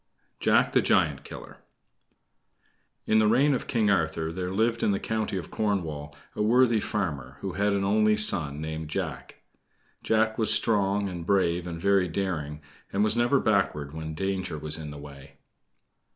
JACK THE GIANT KILLER In the reign of King Arthur there lived in the County of Cornwall a worthy farmer, who had an only son, named Jack. Jack was strong and brave and very daring, and was never backward when danger was in the way.